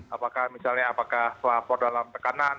apakah misalnya apakah pelapor dalam tekanan